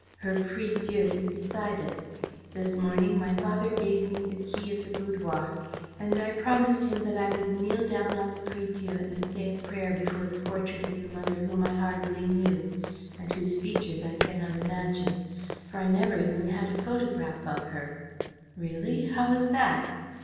Her prie Dieu is beside it. This morning my father gave me the key of the boudoir and I promised him that I would kneel down on the prie Dieu and say a prayer before the portrait of the mother whom I hardly knew and whose features I cannot imagine, for I never even had a photograph of her." "Really? How was that?"